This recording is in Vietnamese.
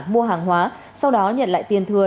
mua hàng hóa sau đó nhận lại tiền thừa